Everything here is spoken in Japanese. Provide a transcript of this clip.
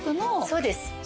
そうです。